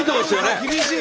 厳しい！